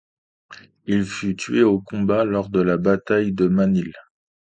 Il fut tué au combat lors de la bataille de Manille.